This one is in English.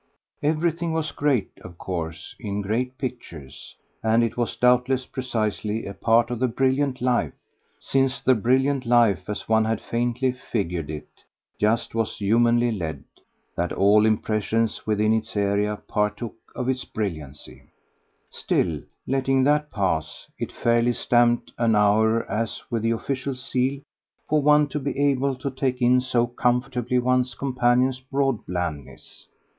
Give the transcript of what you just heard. Everything was great, of course, in great pictures, and it was doubtless precisely a part of the brilliant life since the brilliant life, as one had faintly figured it, just WAS humanly led that all impressions within its area partook of its brilliancy; still, letting that pass, it fairly stamped an hour as with the official seal for one to be able to take in so comfortably one's companion's broad blandness.